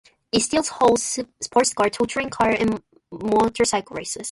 It still holds sports car, touring car and motorcycle races.